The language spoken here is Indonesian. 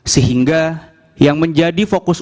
sehingga yang menjadi fokus